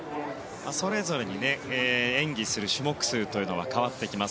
それぞれに演技する種目数が変わってきます。